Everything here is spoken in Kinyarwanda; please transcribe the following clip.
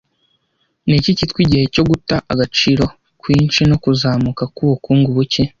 Niki cyitwa igihe cyo guta agaciro kwinshi no kuzamuka kwubukungu buke